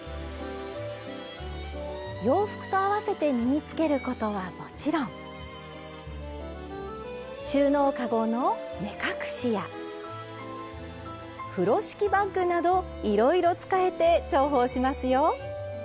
洋服と合わせて身につけることはもちろん収納かごの目隠しや風呂敷バッグなどいろいろ使えて重宝しますよ。